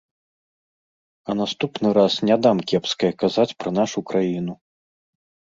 А наступны раз не дам кепскае казаць пра нашу краіну.